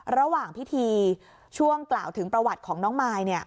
ระหว่างพิธีช่วงกล่าวถึงประวัติของน้องมายเนี่ย